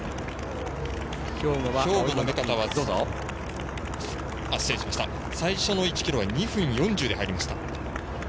兵庫の目片、最初の１ｋｍが２分４０で入りました。